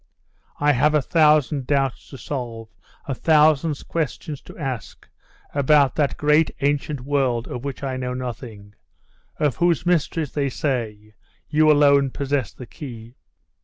I have a thousand doubts to solve, a thousand questions to ask, about that great ancient world of which I know nothing of whose mysteries, they say, you alone possess the key!